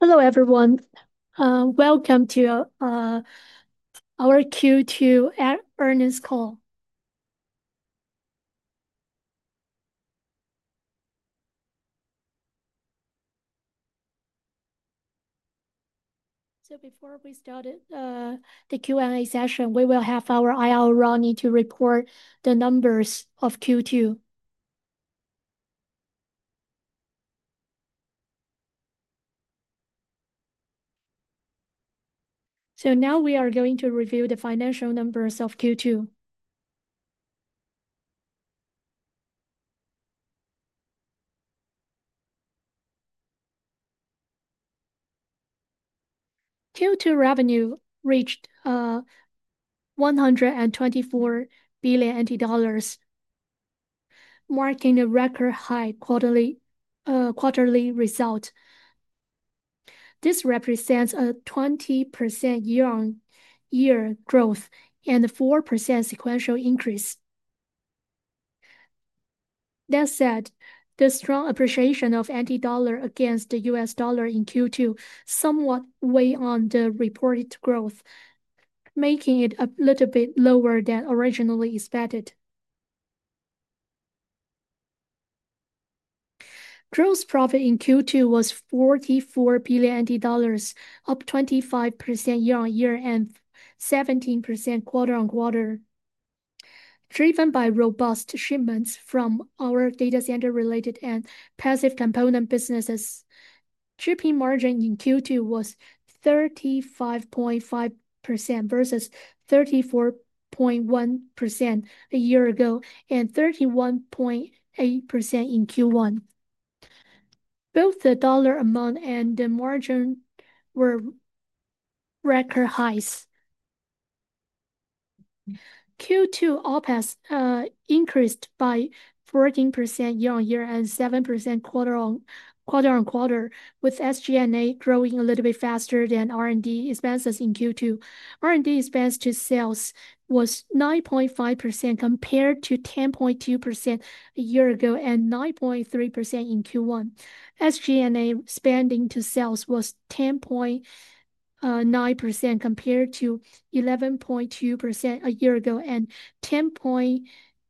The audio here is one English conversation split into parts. Hello everyone, Welcome to our Q2 Earnings Call. Before we start the Q&A session, we will have our Investor Relations Officer reporting the numbers of Q2. Now we are going to review the financial numbers of Q2. Q2 revenue reached $124 billion, marking a record high quarterly result. This represents a 20% year-on-year growth and a 4% sequential increase. That said, the strong appreciation of anti-dollar against the U.S. dollar in Q2 somewhat weighed on the reported growth, making it a little bit lower than originally expected. Gross profit in Q2 was $44 billion, up 25% year-on-year and 17% quarter-on-quarter, driven by robust shipments from our data center-related and passive component businesses. Shipping margin in Q2 was 35.5% versus 34.1% a year ago and 31.8% in Q1. Both the dollar amount and the margin were record highs. Q2 OpEx increased by 14% year-on-year and 7% quarter-on-quarter, with SG&A growing a little bit faster than R&D expenses in Q2. R&D expenses to sales was 9.5% compared to 10.2% a year ago and 9.3% in Q1. SG&A spending to sales was 10.9% compared to 11.2% a year ago and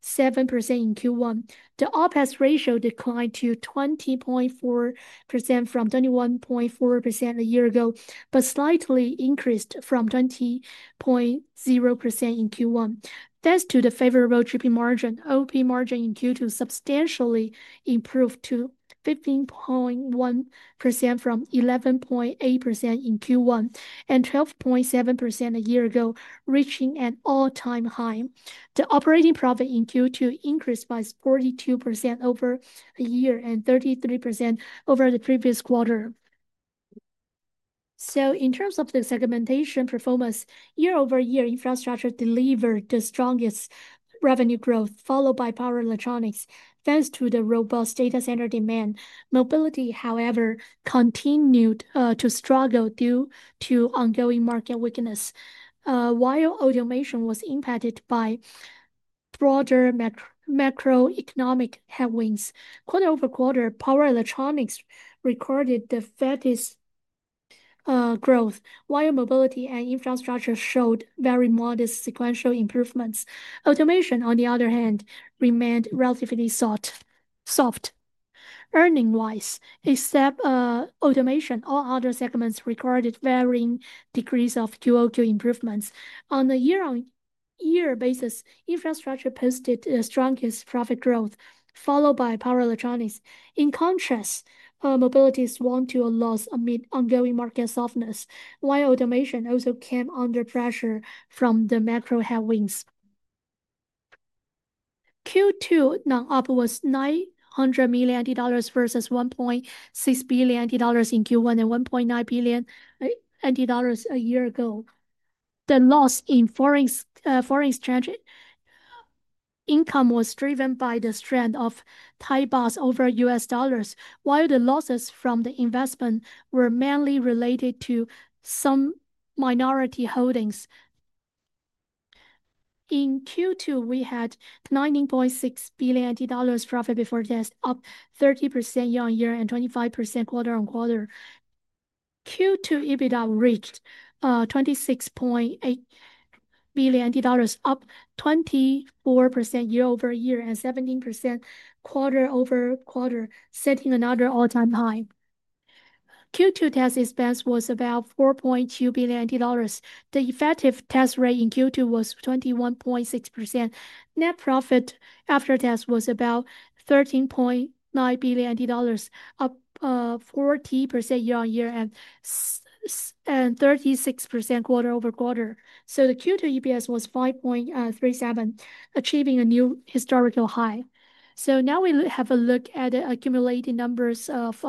10.7% in Q1. The OpEx ratio declined to 20.4% from 21.4% a year ago, but slightly increased from 20.0% in Q1. Thanks to the favorable shipping margin, operating margin in Q2 substantially improved to 15.1% from 11.8% in Q1 and 12.7% a year ago, reaching an all-time high. The operating profit in Q2 increased by 42% over a year and 33% over the previous quarter. In terms of the segmentation performance, year-over-year infrastructure delivered the strongest revenue growth, followed by power electronics. Thanks to the robust data center demand, mobility, however, continued to struggle due to ongoing market weakness, while automation was impacted by broader macro-economic headwinds. Quarter-over-quarter, power electronics recorded the fairest growth, while mobility and infrastructure showed very modest sequential improvements. Automation, on the other hand, remained relatively soft. Earning-wise, except automation, all other segments recorded varying degrees of q-o-q improvements. On a year-on-year basis, infrastructure posted the strongest profit growth, followed by power electronics. In contrast, mobility swung to a loss amid ongoing market softness, while automation also came under pressure from the macro headwinds. Q2 non-operating profit was $900 million versus $1.6 billion in Q1 and $1.9 billion a year ago. The loss in foreign strategy. Income was driven by the strength of Thai baht over U.S. dollars, while the losses from the investment were mainly related to some minority holdings. In Q2, we had $19.6 billion profit before tax, up 30% year-on-year and 25% quarter-on-quarter. Q2 EBITDA reached $26.8 billion, up 24% year-over-year and 17% quarter-over-quarter, setting another all-time high. Q2 tax expense was about $4.2 billion. The effective tax rate in Q2 was 21.6%. Net profit after tax was about $13.9 billion, up 40% year-on-year and 36% quarter-over-quarter. The Q2 EPS was 5.37, achieving a new historical high. Now we have a look at the accumulated numbers of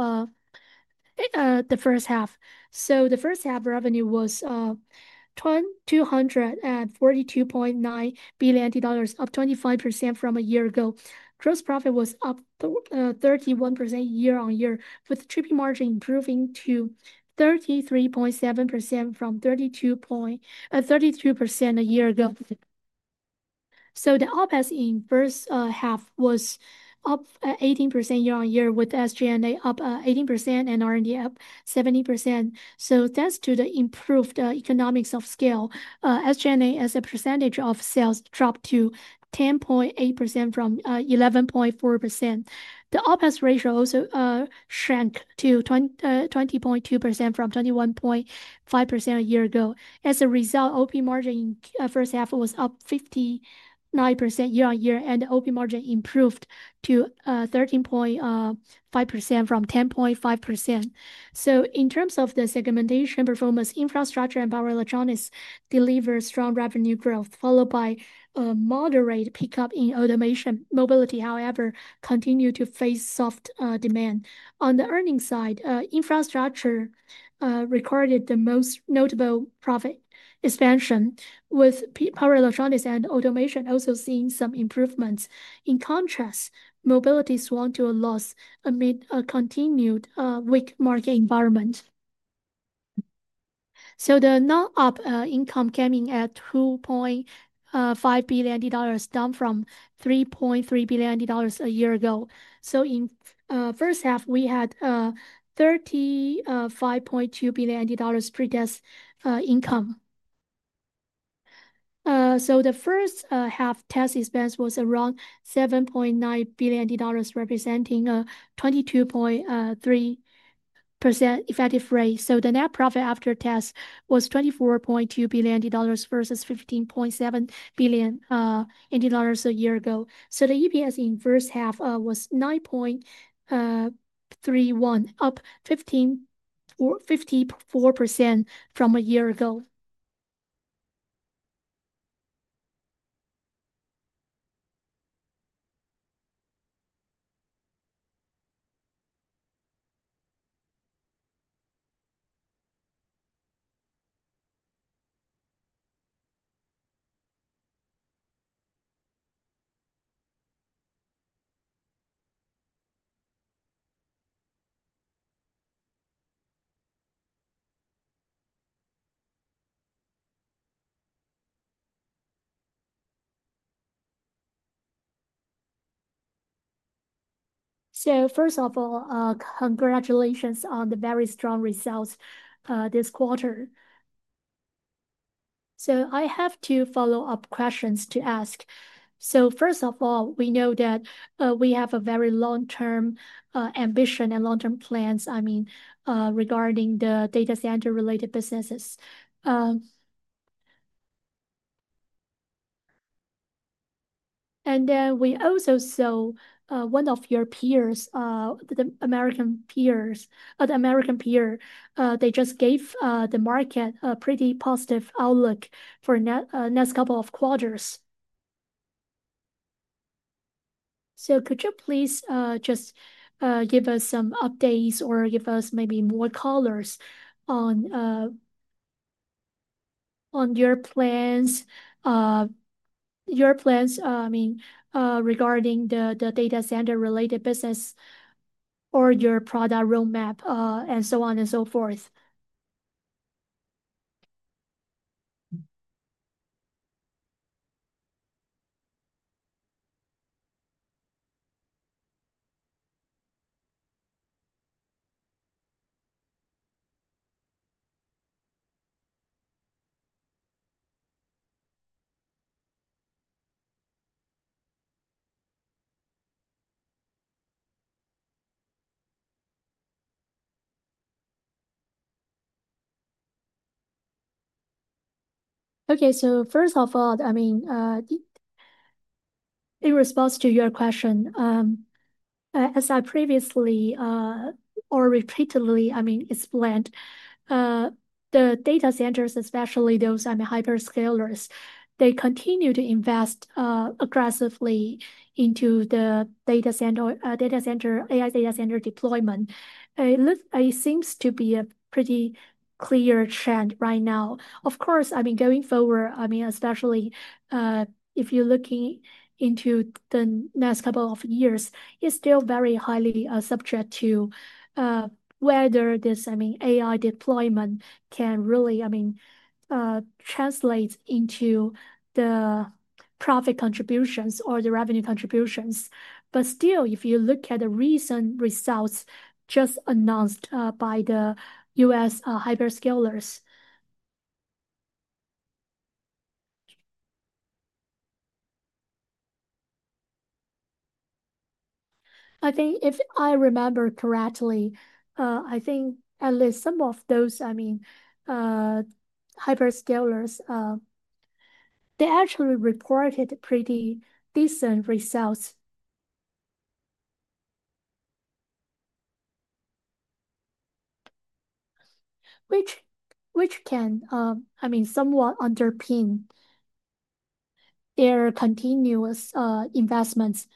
the first half. The first half revenue was $242.9 billion, up 25% from a year ago. Gross profit was up 31% year-on-year, with the gross margin improving to 33.7% from 32.32% a year ago. The OpEx in the first half was up 18% year-on-year, with SG&A up 18% and R&D up 70%. Thanks to the improved economics of scale, SG&A as a percentage of sales dropped to 10.8% from 11.4%. The OpEx ratio also shrank to 20.2% from 21.5% a year ago. As a result, operating margin in the first half was up 59% year-on-year, and the operating margin improved to 13.5% from 10.5%. In terms of the segmentation performance, infrastructure and power electronics delivered strong revenue growth, followed by a moderate pickup in automation. Mobility, however, continued to face soft demand. On the earnings side, infrastructure recorded the most notable profit expansion, with power electronics and automation also seeing some improvements. In contrast, mobility swung to a loss amid a continued weak market environment. The non-operating income came in at $2.5 billion, down from $3.3 billion a year ago. In the first half, we had $35.2 billion pre-tax income. The first half tax expense was around $7.9 billion, representing a 22.3% effective rate. The net profit after tax was $24.2 billion versus $15.7 billion a year ago. The EPS in the first half was 9.31, up 15.54% from a year ago. First of all, congratulations on the very strong results this quarter. I have two follow-up questions to ask. First of all, we know that we have a very long-term ambition and long-term plans regarding the data center-related businesses. We also saw one of your peers, the American peer, just gave the market a pretty positive outlook for the next couple of quarters. Could you please give us some updates or maybe more color on your plans regarding the data center-related business, your product roadmap, and so on and so forth? First of all, in response to your question, as I previously or repeatedly explained, the data centers, especially those hyperscalers, continue to invest aggressively into the data center, AI data center deployment. It seems to be a pretty clear trend right now. Of course, going forward, especially if you're looking into the next couple of years, it's still very highly subject to whether this AI deployment can really translate into the profit contributions or the revenue contributions. If you look at the recent results just announced by the U.S. hyperscalers, I think if I remember correctly, at least some of those hyperscalers actually reported pretty decent results, which can somewhat underpin their continuous investments.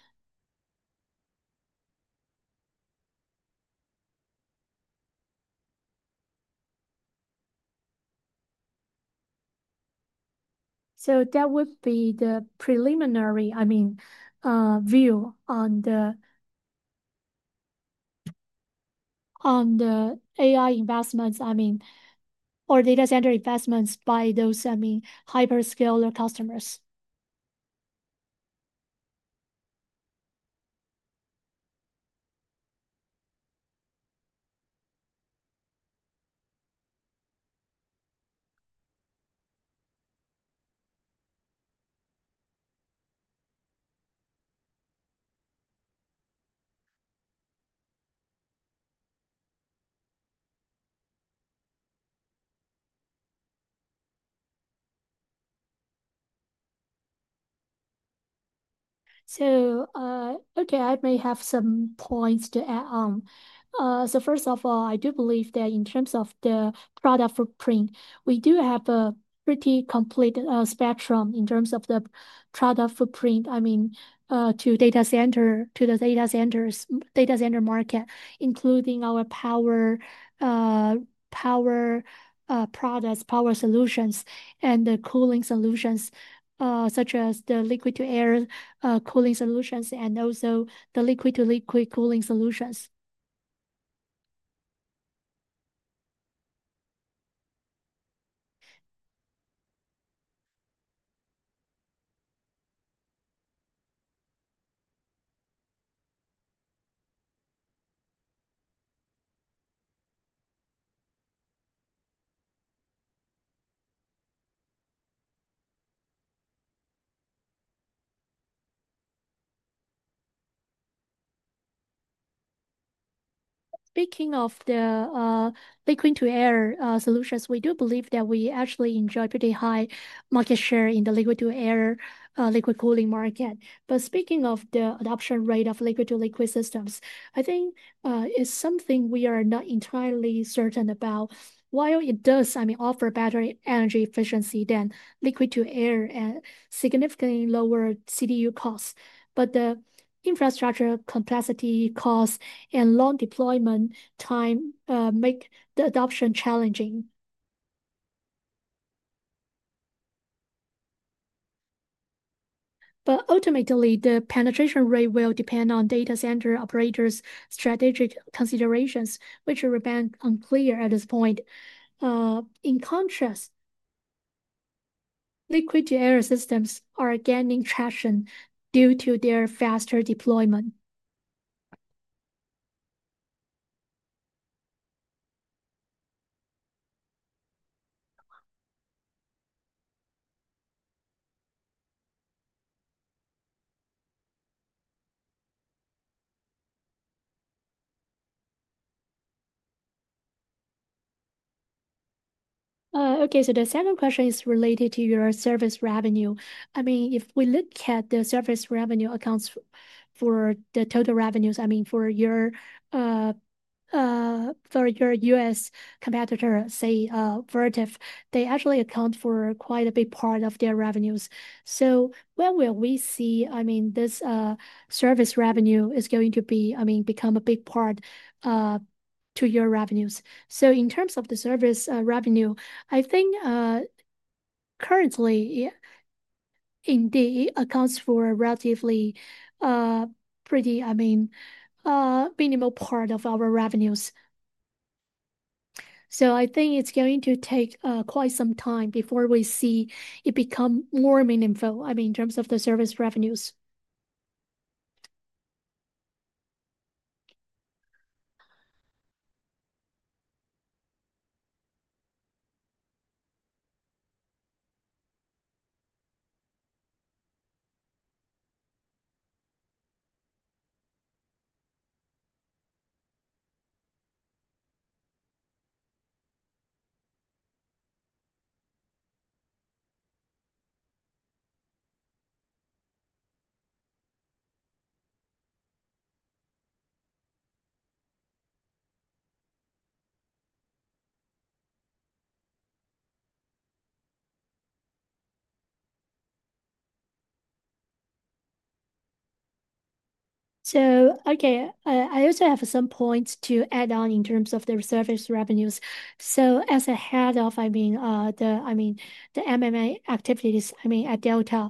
That would be the preliminary view on the AI investments or data center investments by those hyperscalers customers. I may have some points to add on. First of all, I do believe that in terms of the product footprint, we do have a pretty complete spectrum in terms of the product footprint to the data center market, including our power products, power solutions, and the cooling solutions, such as the liquid-to-air cooling solutions and also the liquid-to-liquid cooling solutions. Speaking of the liquid-to-air solutions, we do believe that we actually enjoy pretty high market share in the liquid-to-air liquid cooling market. Speaking of the adoption rate of liquid-to-liquid systems, I think it's something we are not entirely certain about. While it does offer better energy efficiency than liquid-to-air and significantly lower CDU costs, the infrastructure complexity costs and long deployment time make the adoption challenging. Ultimately, the penetration rate will depend on data center operators' strategic considerations, which remain unclear at this point. In contrast, liquid-to-air systems are gaining traction due to their faster deployment. The second question is related to your service revenue. If we look at the service revenue accounts for the total revenues, for your U.S. competitor, say, Vertiv, they actually account for quite a big part of their revenues. When will we see this service revenue become a big part of your revenues? In terms of the service revenue, currently, it indeed accounts for a relatively minimal part of our revenues. I think it's going to take quite some time before we see it become more meaningful in terms of the service revenues. I also have some points to add on in terms of their service revenues. As a head of the M&A activities at Delta,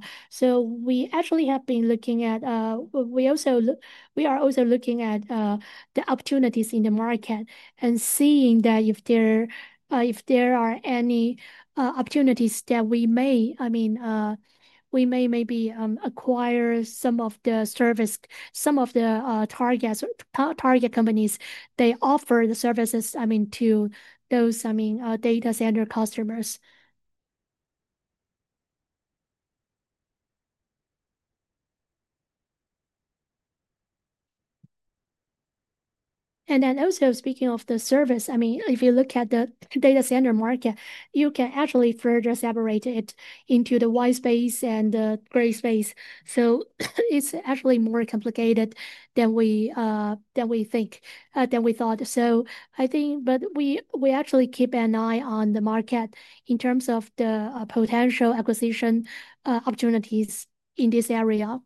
we actually have been looking at, we are also looking at, the opportunities in the market and seeing if there are any opportunities that we may acquire some of the service target companies that offer the services to those data center customers. Also, speaking of the service, if you look at the data center market, you can actually further separate it into the white space and the gray space. It's actually more complicated than we thought. We actually keep an eye on the market in terms of the potential acquisition opportunities in this area.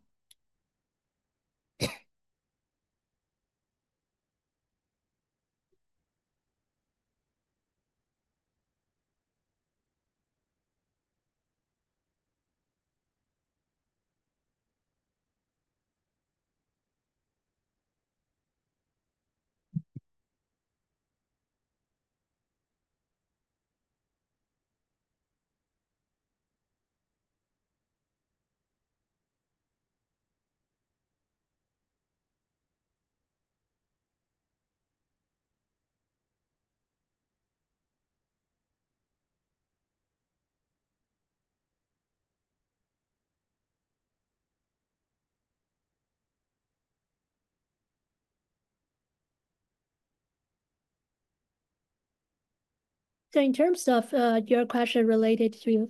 In terms of your question related to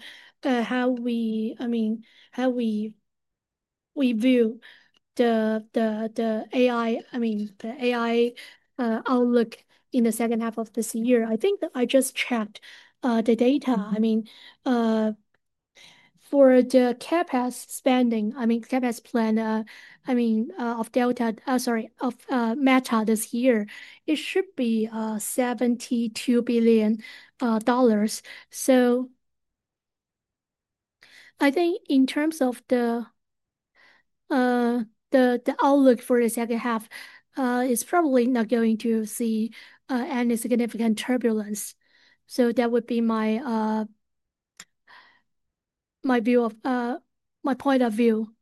how we view the AI outlook in the second half of this year, I just checked the data for the CapEx spending, CapEx plan of Meta this year. It should be $72 billion. I think in terms of the outlook for the second half, it's probably not going to see any significant turbulence. That would be my point of view.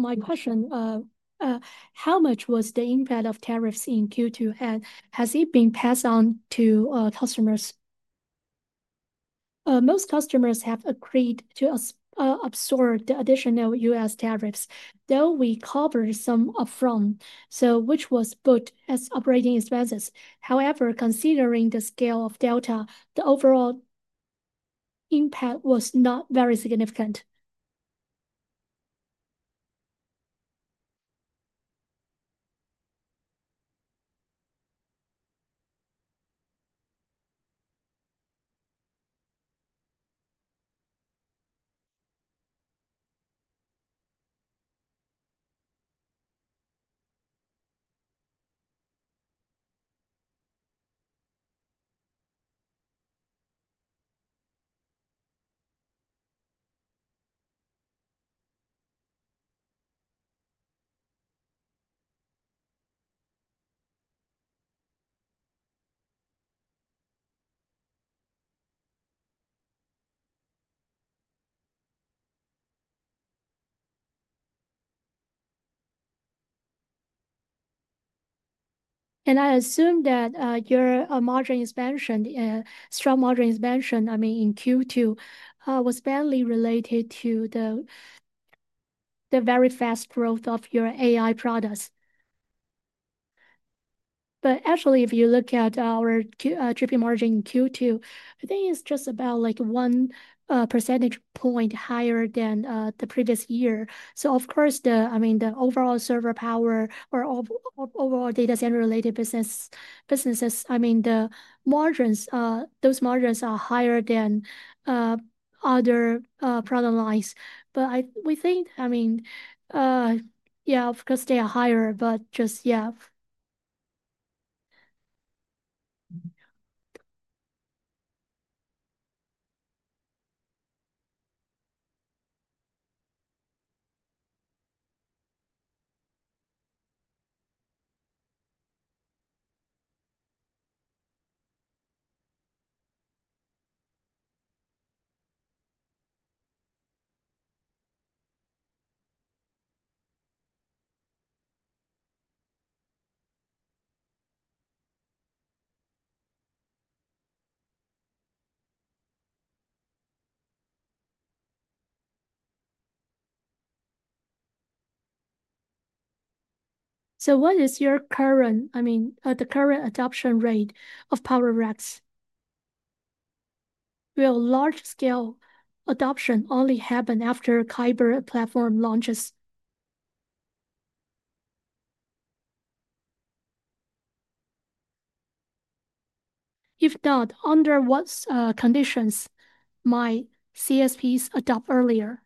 My question, how much was the impact of tariffs in Q2, and has it been passed on to customers? Most customers have agreed to absorb the additional U.S. tariffs, though we covered some upfront, which was put as operating expenses. However, considering the scale of Delta, the overall impact was not very significant. I assume that your modern expansion, strong modern expansion in Q2, was mainly related to the very fast growth of your AI products? If you look at our Q2 shipping margin, I think it's just about 1% higher than the previous year. Of course, the overall server power or overall data center related businesses, the margins are higher than other product lines. We think, of course they are higher, but just, yeah. What is your current adoption rate of Power Rex? Will large scale adoption only happen after Kyber platform launches? If not, under what conditions might CSPs adopt earlier?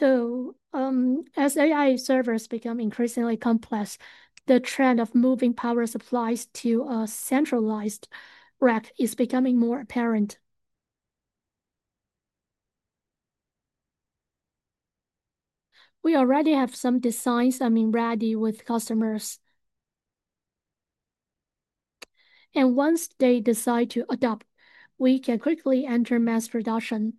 As AI servers become increasingly complex, the trend of moving power supplies to a centralized rack is becoming more apparent. We already have some designs ready with customers, and once they decide to adopt, we can quickly enter mass production.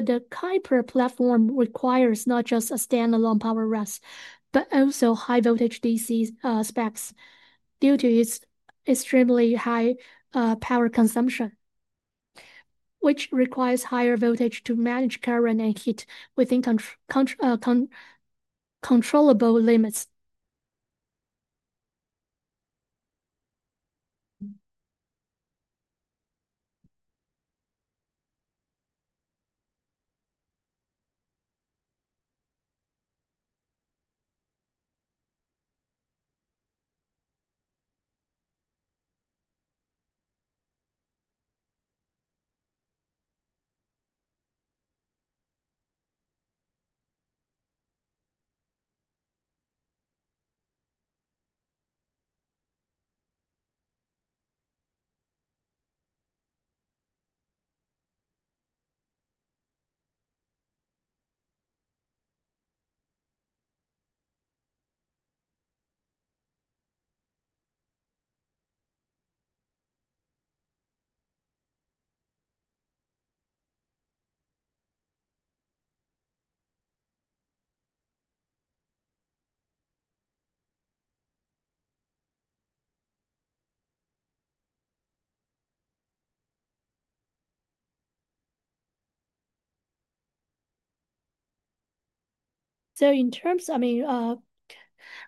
The Kyber platform requires not just a standalone Power Rex, but also high voltage DC specs due to its extremely high power consumption, which requires higher voltage to manage current and heat within controllable limits. In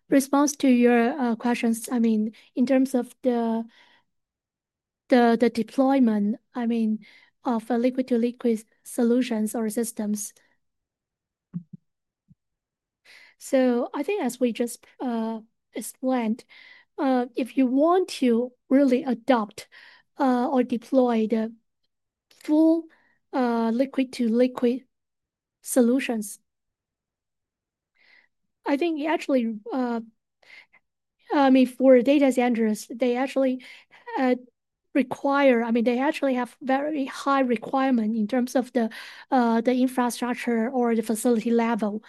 response to your questions, in terms of the deployment of liquid-to-liquid solutions or systems, as we just explained, if you want to really adopt or deploy the full liquid-to-liquid solutions, for data centers, they actually require very high requirements in terms of the infrastructure or the facility level.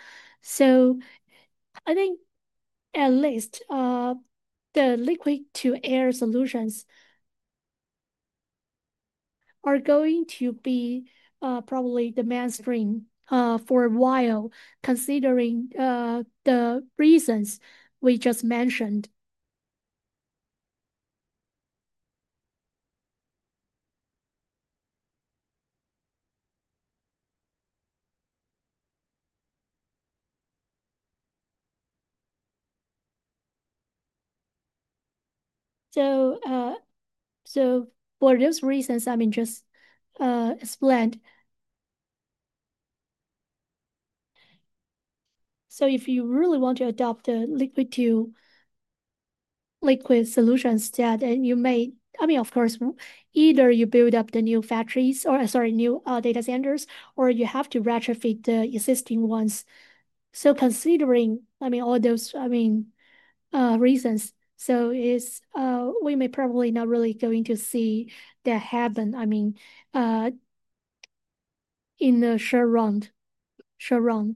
At least, the liquid-to-air solutions are going to be probably the mainstream for a while, considering the reasons we just mentioned. For those reasons just explained, if you really want to adopt the liquid-to-liquid solutions, you may, of course, either build up new data centers or you have to retrofit the existing ones. Considering all those reasons, we may probably not really see that happen in the short run.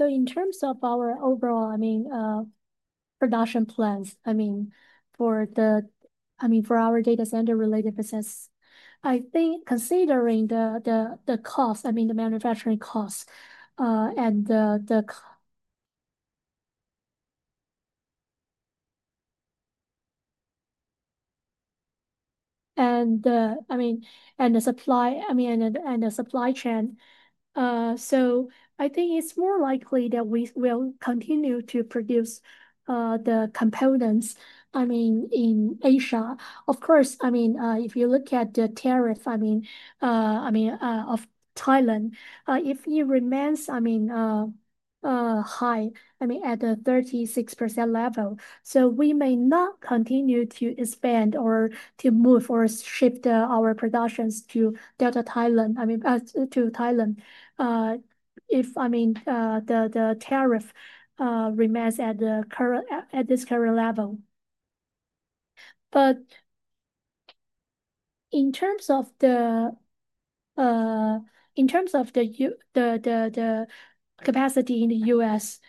In terms of our overall production plans for our data center related business, considering the cost, the manufacturing cost, and the supply chain, I think it's more likely that we will continue to produce the components in Asia. Of course, if you look at the tariff of Thailand, if it remains high at the 36% level, we may not continue to expand or to move or shift our productions to Delta Thailand, to Thailand, if the tariff remains at this current level. In terms of the capacity in the U.S.,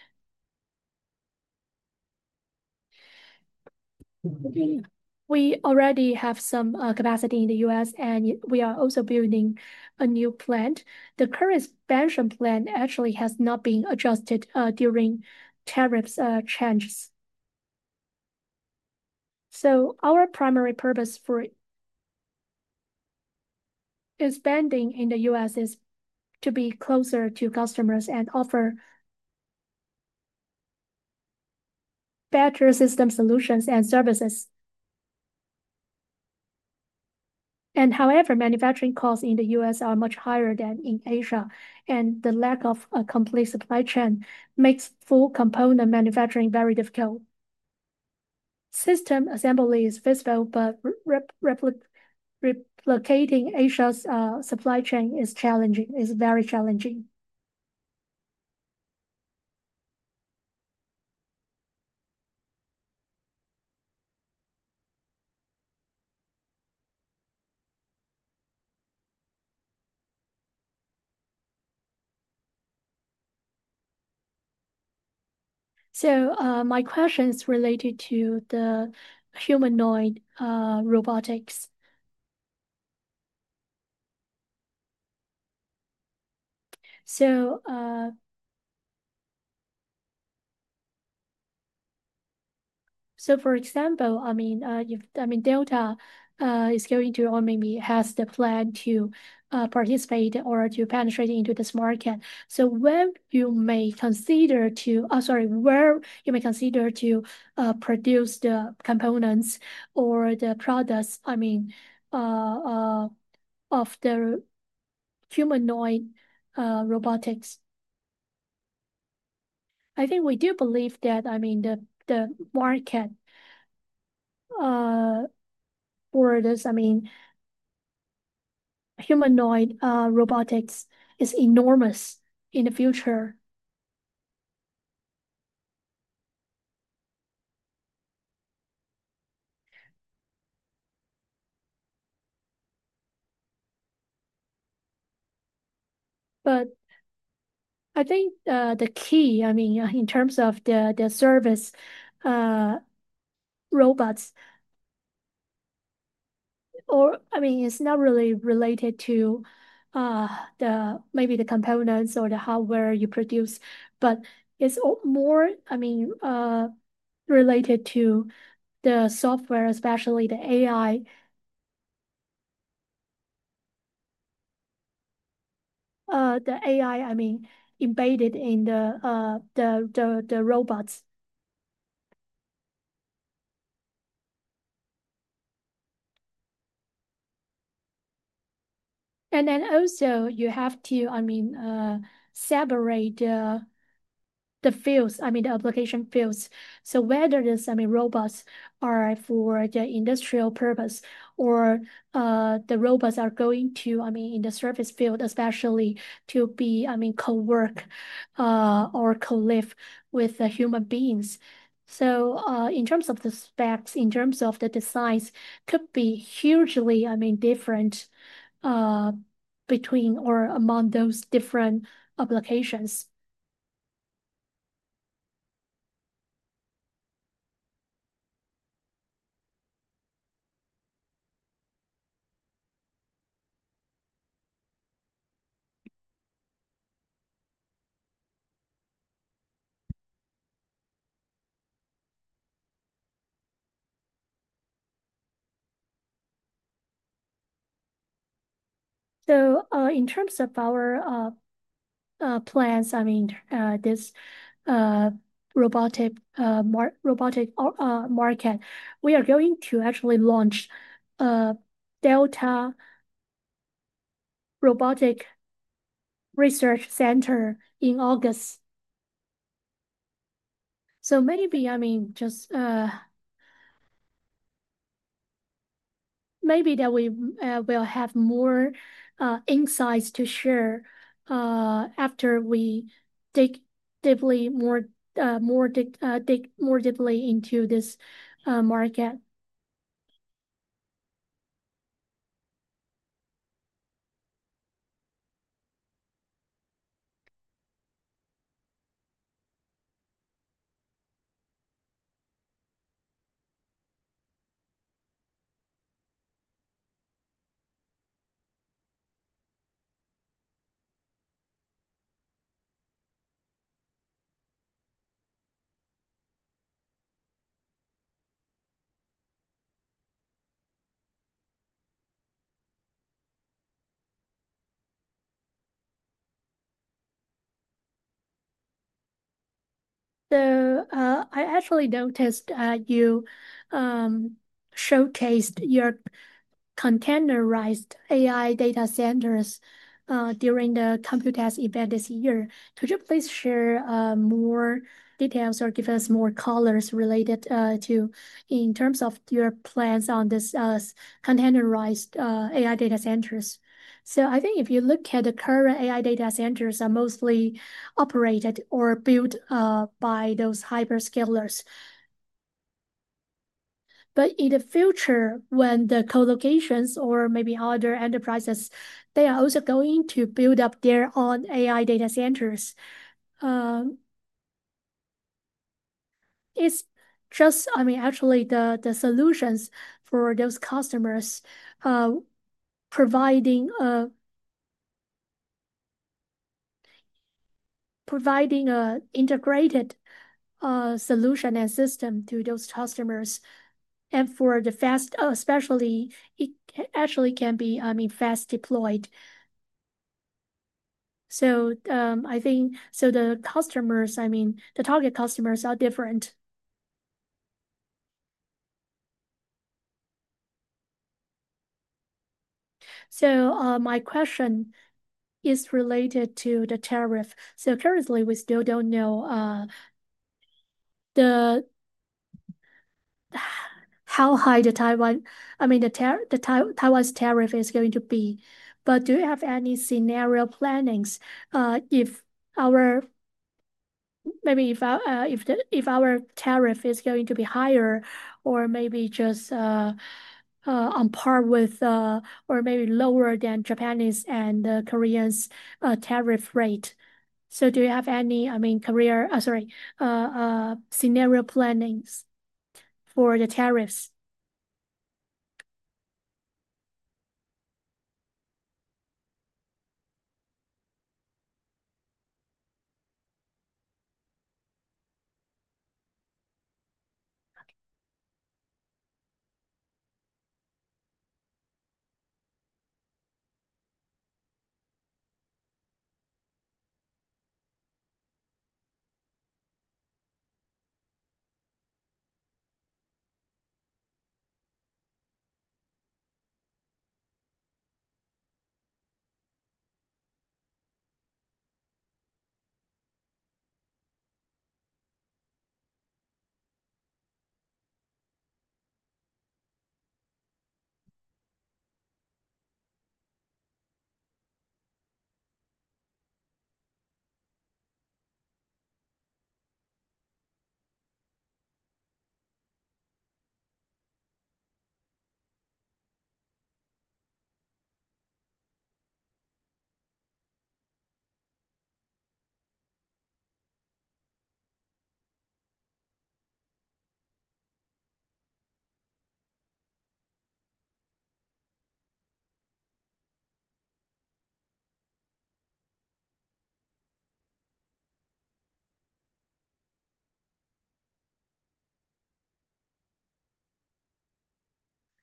we already have some capacity in the U.S., and we are also building a new plant. The current expansion plan actually has not been adjusted during tariff changes. Our primary purpose for expanding in the U.S. is to be closer to customers and offer better system solutions and services. However, manufacturing costs in the U.S. are much higher than in Asia, and the lack of a complete supply chain makes full component manufacturing very difficult. System assembly is visible, but replicating Asia's supply chain is very challenging. My question is related to the humanoid robotics. For example, if Delta is going to, or maybe has the plan to, participate or to penetrate into this market, where you may consider to produce the components or the products of the humanoid robotics? We do believe that the market for this humanoid robotics is enormous in the future. The key, in terms of the service robots, is not really related to the components or the hardware you produce, but it's more related to the software, especially the AI embedded in the robots. You also have to separate the fields, the application fields, so whether these robots are for the industrial purpose or the robots are going to be in the service field, especially to be cowork or co-live with human beings. In terms of the specs, in terms of the designs, these could be hugely different between or among those different applications. In terms of our plans, this robotic market, we are going to actually launch Delta Robotic Research Center in August. Maybe we will have more insights to share after we dig more deeply into this market. I actually noticed you showcased your containerized AI data centers during the Computex event this year. Could you please share more details or give us more colors related to, in terms of your plans on this containerized AI data centers? If you look at the current AI data centers, they are mostly operated or built by those hyperscale customers. In the future, when the colocations or maybe other enterprises, they are also going to build up their own AI data centers. Actually, the solutions for those customers, providing an integrated solution and system to those customers, and especially it actually can be fast deployed. I think the customers, the target customers, are different. My question is related to the tariff. Currently, we still don't know how high the Taiwan tariff is going to be, but do you have any scenario plannings if our tariff is going to be higher or maybe just on par with, or maybe lower than Japanese and the Koreans' tariff rate? Do you have any scenario plannings for the tariffs?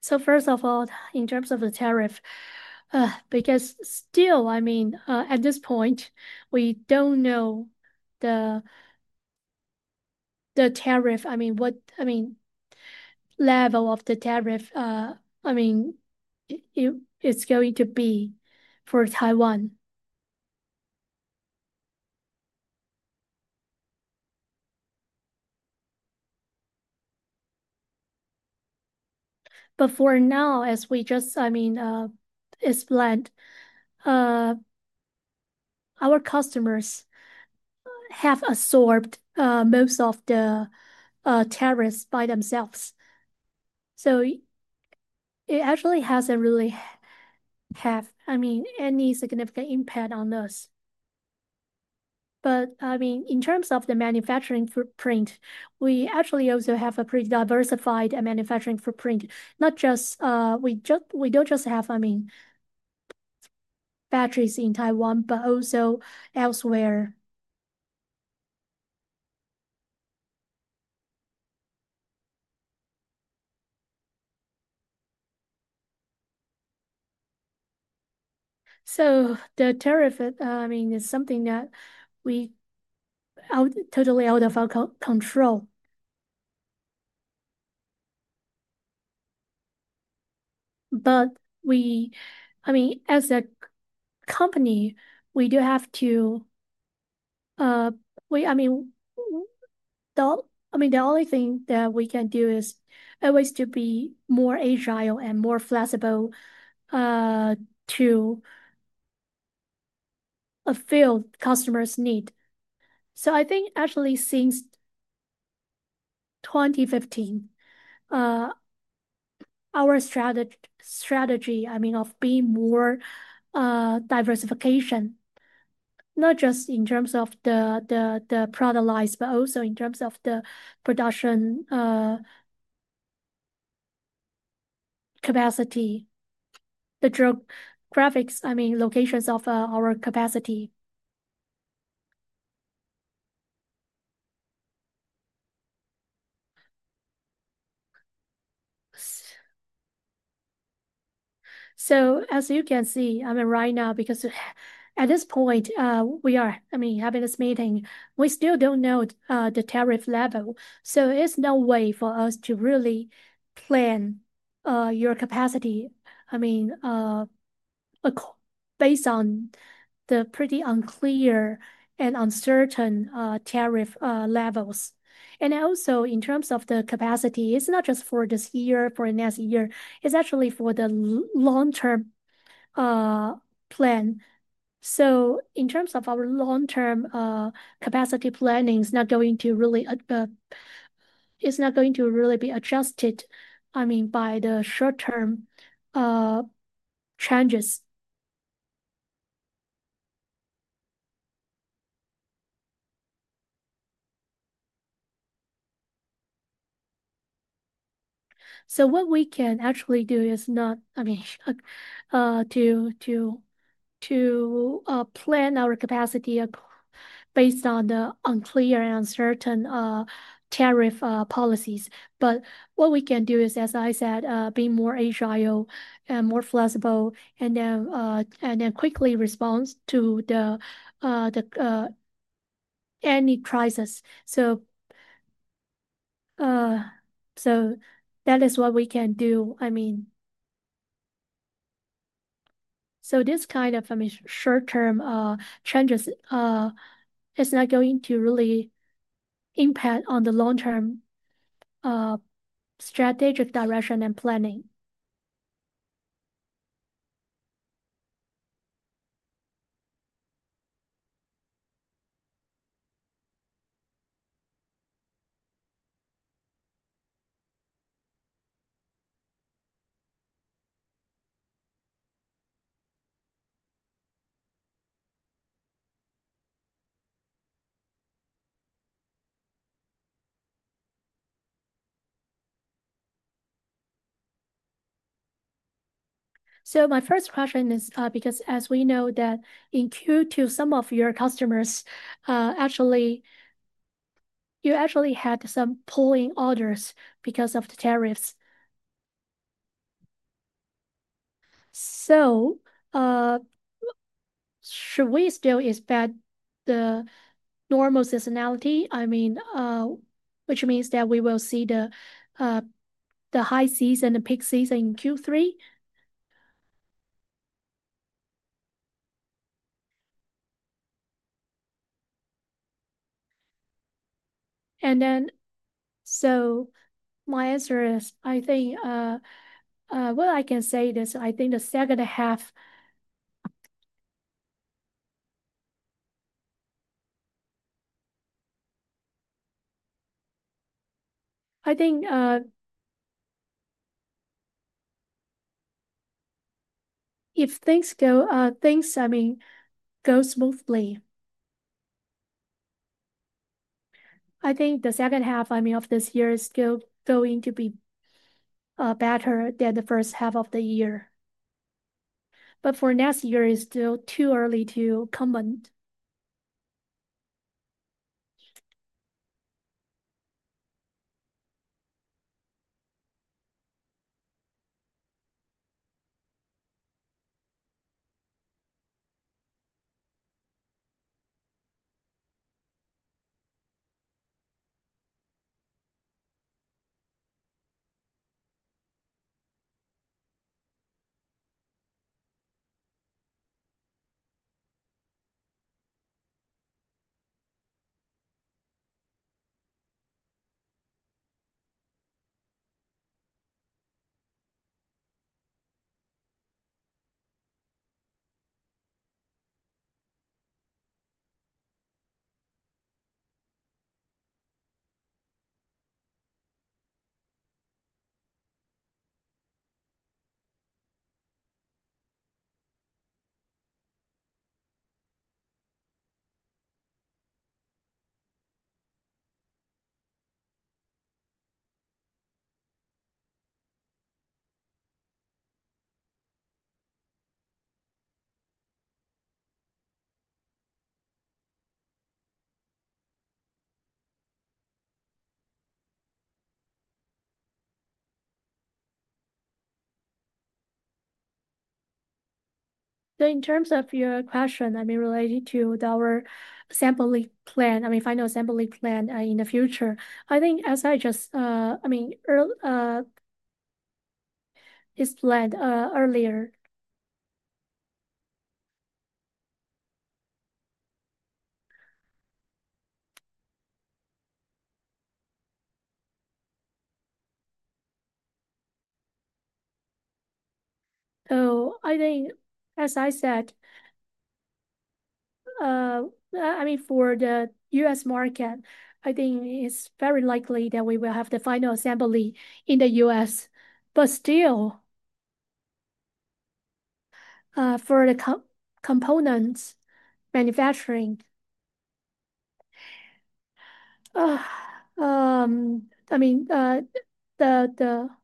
First of all, in terms of the tariff, because still, at this point, we don't know the tariff, what level of the tariff it's going to be for Taiwan. For now, as we just explained, our customers have absorbed most of the tariffs by themselves. It actually hasn't really had any significant impact on us. In terms of the manufacturing footprint, we actually also have a pretty diversified manufacturing footprint. We don't just have batteries in Taiwan, but also elsewhere. The tariff is something that is totally out of our control. As a company, we do have to be more agile and more flexible to fulfill customers' needs. Actually, since 2015, our strategy of being more diversified, not just in terms of the product lines, but also in terms of the production capacity, the geographic locations of our capacity. As you can see, right now, because at this point, we are having this meeting, we still don't know the tariff level. There is no way for us to really plan your capacity based on the pretty unclear and uncertain tariff levels. In terms of the capacity, it's not just for this year or for next year, it's actually for the long-term plan. In terms of our long-term capacity planning, it's not going to really be adjusted by short-term changes. What we can actually do is be more agile and more flexible and then quickly respond to any crisis. That is what we can do. This kind of short-term change is not going to really impact the long-term strategic direction and planning. My first question is, because as we know in Q2, some of your customers actually had some pulling orders because of the tariffs. Should we still expect the normal seasonality, which means that we will see the high season and peak season in Q3? My answer is, I think what I can say is I think the second half, if things go smoothly, the second half of this year is still going to be better than the first half of the year. For next year, it's still too early to comment. In terms of your question related to our sampling plan, final sampling plan in the future, as I just planned earlier, as I said, for the U.S. market, I think it's very likely that we will have the final assembly in the U.S., but still, for the components manufacturing, to manufacture or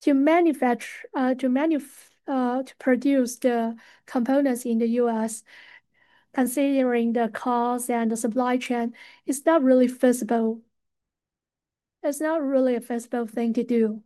to produce the components in the U.S., considering the cost and the supply chain, it's not really feasible. It's not really a feasible thing to do.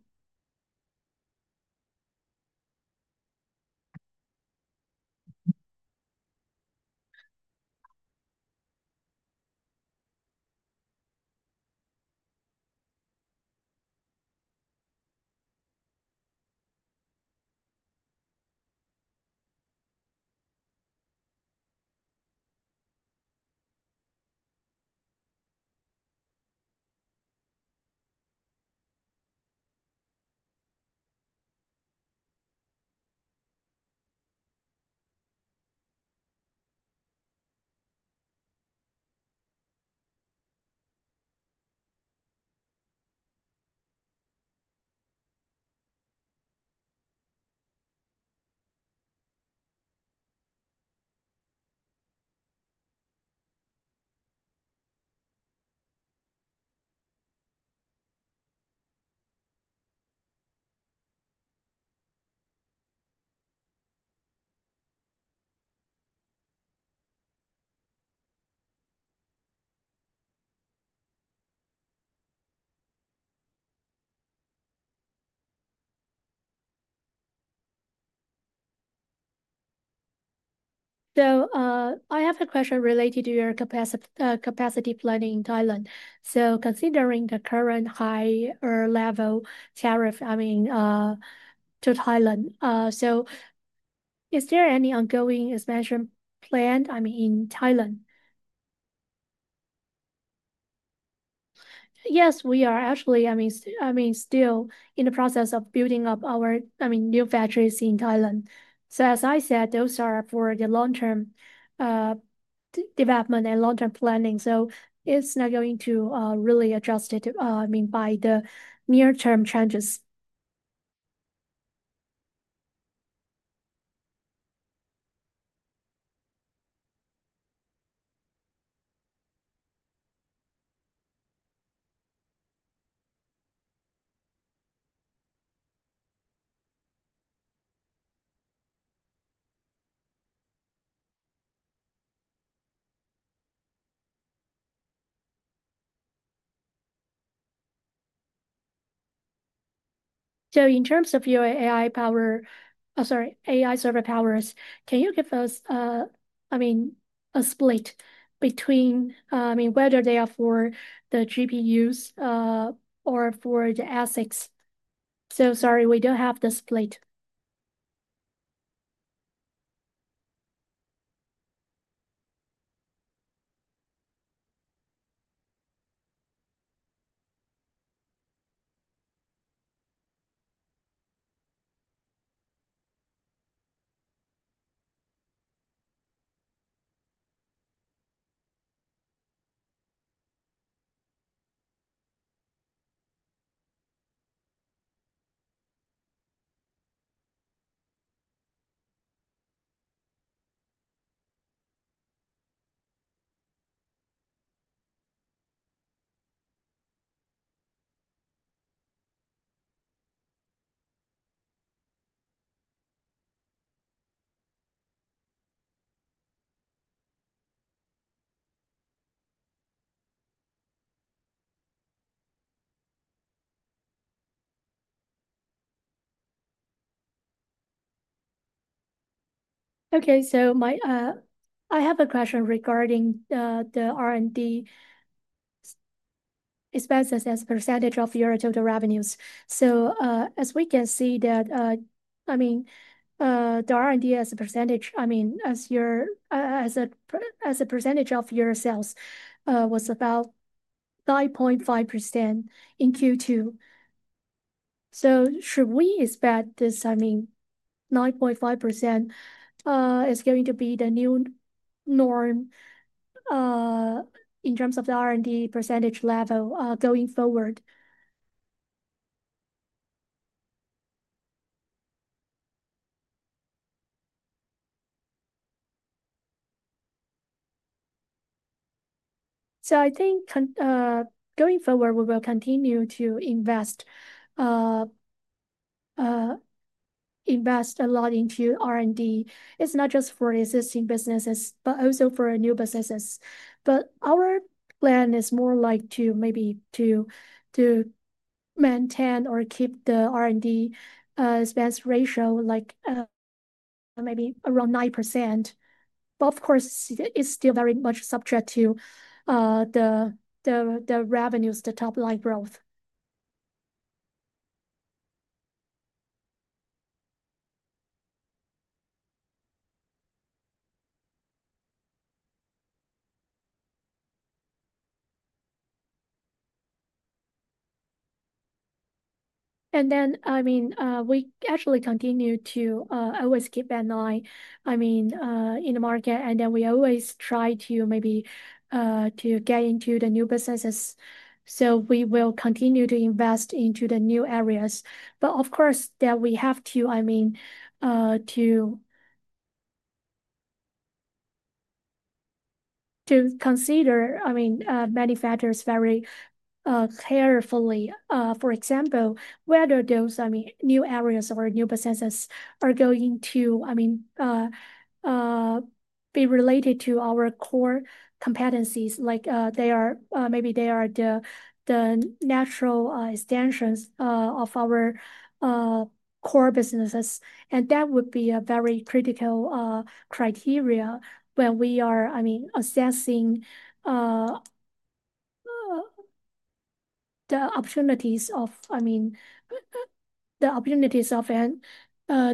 I have a question related to your capacity planning in Thailand. Considering the current higher level tariff to Thailand, is there any ongoing expansion planned in Thailand? Yes, we are actually still in the process of building up our new factories in Thailand. As I said, those are for the long-term development and long-term planning. It's not going to really be adjusted by the near-term changes. In terms of your AI power, sorry, AI server powers, can you give us a split between whether they are for the GPUs or for the ASICs? Sorry, we don't have the split. Okay, I have a question regarding the R&D expenses as a percentage of your total revenues. As we can see, the R&D as a percentage, as a percentage of your sales, was about 9.5% in Q2. Should we expect this 9.5% is going to be the new norm in terms of the R&D percentage level going forward? I think, going forward, we will continue to invest a lot into R&D. It's not just for existing businesses, but also for new businesses. Our plan is more like to maybe maintain or keep the R&D expense ratio maybe around 9%. Of course, it's still very much subject to the revenues, the top line growth. We actually continue to always keep an eye in the market, and we always try to maybe get into new businesses. We will continue to invest into the new areas. Of course, we have to consider manufacturers very carefully, for example, whether those new areas or new businesses are going to be related to our core competencies, like maybe they are the natural extensions of our core businesses. That would be a very critical criteria when we are assessing the opportunities of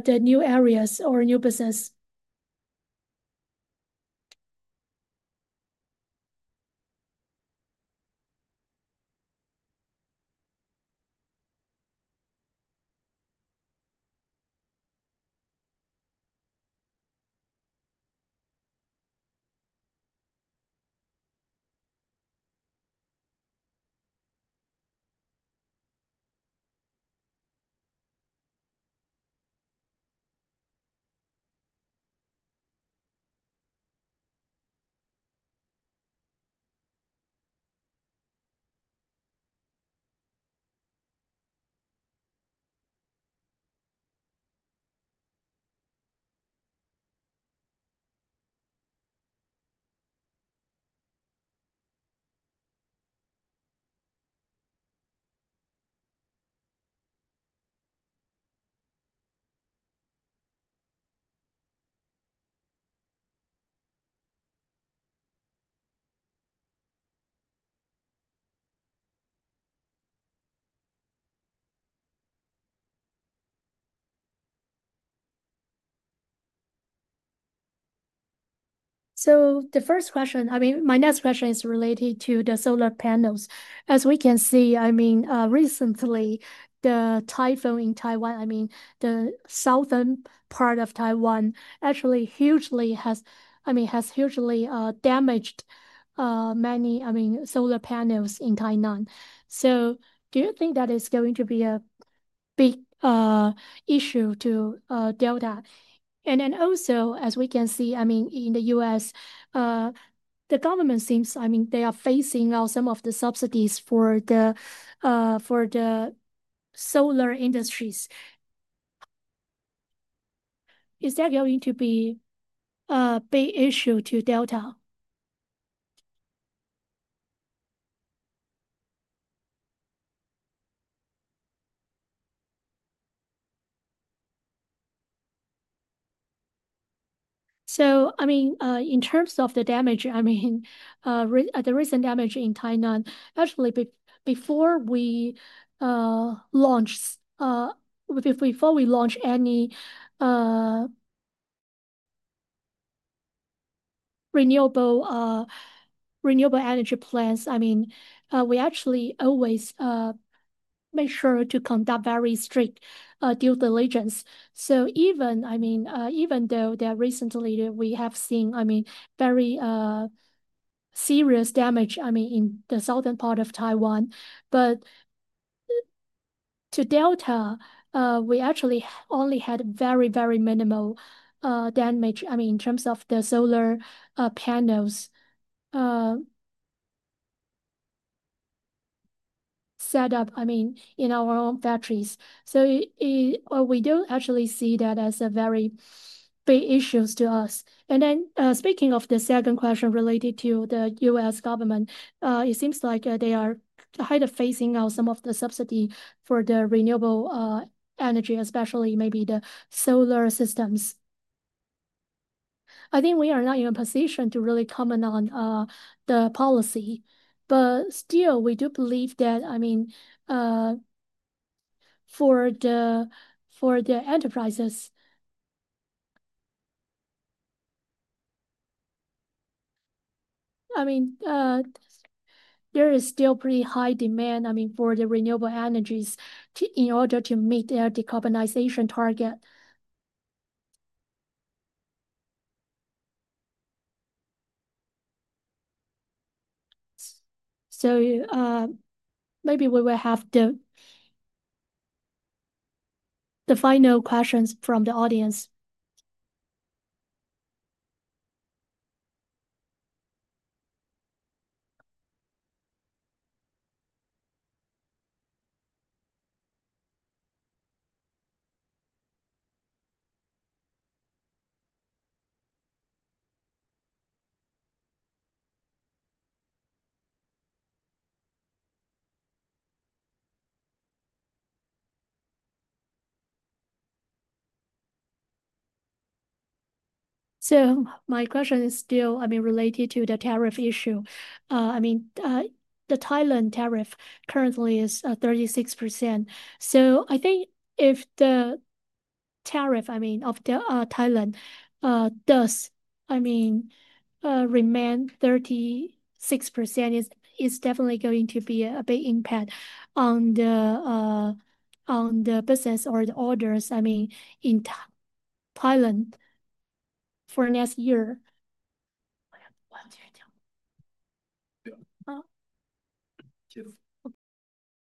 the new areas or new business. My next question is related to the solar panels. As we can see, recently, the typhoon in Taiwan, the southern part of Taiwan actually has hugely damaged many solar panels in Tainan. Do you think that is going to be a big issue to Delta? Also, as we can see, in the U.S., the government seems they are phasing out some of the subsidies for the solar industries. Is that going to be a big issue to Delta? In terms of the damage, the recent damage in Tainan, actually before we launch any renewable energy plants, we actually always make sure to conduct very strict due diligence. Even though recently we have seen very serious damage in the southern part of Taiwan, to Delta, we actually only had very minimal damage in terms of the solar panels set up in our own factories. We don't actually see that as a very big issue to us. Speaking of the second question related to the U.S. government, it seems like they are kind of phasing out some of the subsidy for the renewable energy, especially maybe the solar systems. I think we are not in a position to really comment on the policy, but still we do believe that, for the enterprises, there is still pretty high demand for the renewable energies in order to meet their decarbonization target. We will have the final questions from the audience. My question is still related to the tariff issue. The Thailand tariff currently is 36%. I think if the tariff of Thailand does remain 36%, it's definitely going to be a big impact on the business or the orders in Thailand for next year. What do you do? Thank you.